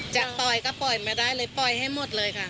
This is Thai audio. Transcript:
จะปล่อยก็ปล่อยมาได้เลยปล่อยให้หมดเลยค่ะ